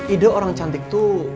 ide orang cantik tuh